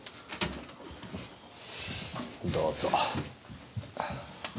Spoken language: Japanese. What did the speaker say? どうぞ。